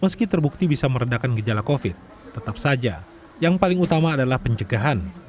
meski terbukti bisa meredakan gejala covid tetap saja yang paling utama adalah pencegahan